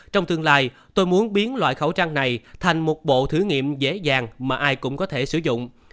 trong tương lai tôi muốn biến loại khẩu trang này thành một bộ thử nghiệm dễ dàng mà ai cũng có thể sử dụng